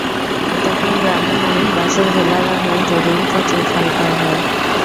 তখন গ্রামের মানুষ বাঁশের ভেলা বানিয়ে জরুরি কাজে খাল পার হয়।